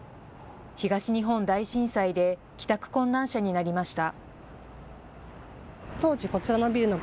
東日本大震災で帰宅困難者になりました。